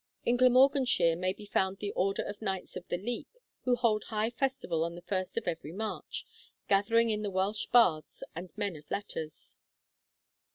In Glamorganshire may be found the order of Knights of the Leek, who hold high festival on the 1st of every March, gathering in the Welsh bards and men of letters.